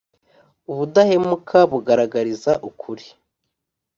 Ubudahemuka bugaragariza ukuri.